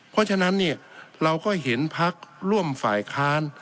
เพราะฉะนั้นเนี่ยเราก็เห็นพักร่วมฝ่ายค้าน